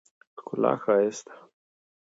ښکلا ښایسته ده.